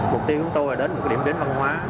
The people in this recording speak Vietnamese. mục tiêu của tôi là đến một điểm đến văn hóa